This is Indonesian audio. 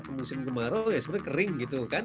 kalau musim kemarau sebenarnya kering gitu kan